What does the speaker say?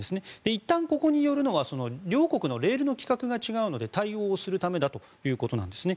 いったんここに寄るのは両国のレールの規格が違うので対応をするためだということなんですね。